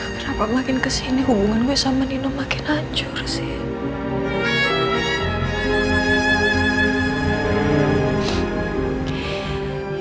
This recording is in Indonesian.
kenapa makin kesini hubungan gue sama nino makin hancur sih